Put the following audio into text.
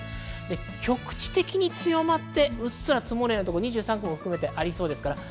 局地的に強まって、うっすら積もるようなところ、２３区を含めてありそうです。